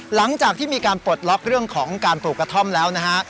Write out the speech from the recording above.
หลังจากที่มีการปลดล็อกเรื่องของการปลูกกระท่อมแล้วนะฮะ